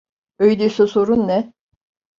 Öyleyse sorun ne?